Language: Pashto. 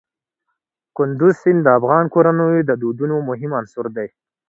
کندز سیند د افغان کورنیو د دودونو مهم عنصر دی.